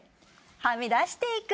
はみ出していく。